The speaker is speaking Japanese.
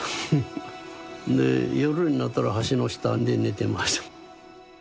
で夜になったら橋の下で寝てました。